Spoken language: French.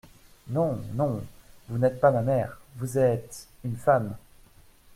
Non … non … vous n'êtes pas ma mère … Vous êtes … une femme.